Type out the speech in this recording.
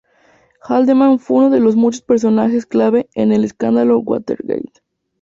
Haldeman fue uno de los muchos personajes clave en el Escándalo Watergate.